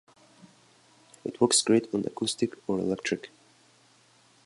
It works great on acoustic or electric.